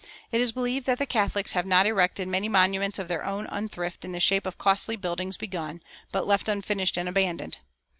It is believed that the Catholics have not erected many monuments of their own unthrift in the shape of costly buildings begun, but left unfinished and abandoned.